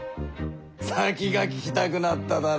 先が聞きたくなっただろう。